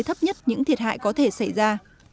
thấp nhất những thiệt hại có thể xảy ra